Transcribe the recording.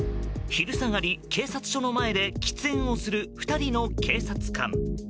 昼下がり、警察署の前で喫煙をする２人の警察官。